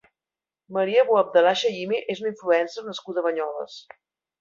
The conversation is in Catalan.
Maria Bouabdellah Shaimi és una influencer nascuda a Banyoles.